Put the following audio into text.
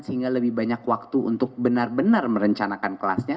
sehingga lebih banyak waktu untuk benar benar merencanakan kelasnya